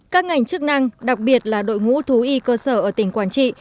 các ngành chức năng đặc biệt là đội ngũ thú y cơ sở ở tỉnh quảng trị